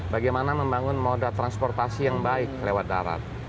bagaimana membangun moda transportasi yang baik lewat darat